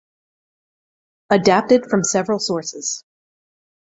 Adapted from several sources.